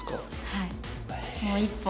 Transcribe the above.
はい。